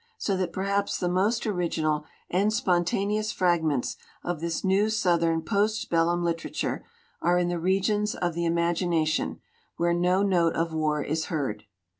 So that per haps the most original and spontaneous fragments of this new Southern post bellum literature are in the regions of the imagination, where no note of war is heard.